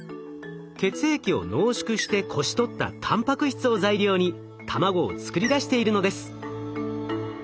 血液を濃縮してこし取ったたんぱく質を材料に卵を作り出しているのです。